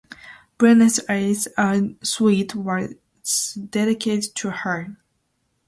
Buenos Aires a street was dedicated to her.